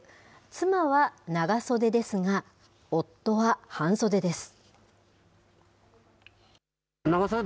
妻は長袖ですが、夫は半袖です。